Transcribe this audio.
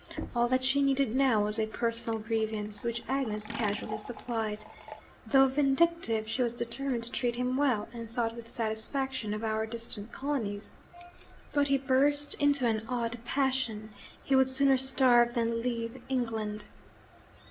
All that she needed now was a personal grievance, which Agnes casually supplied. Though vindictive, she was determined to treat him well, and thought with satisfaction of our distant colonies. But he burst into an odd passion: he would sooner starve than leave England.